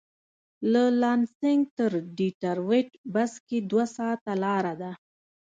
له لانسېنګ تر ډیترویت بس کې دوه ساعته لاره ده.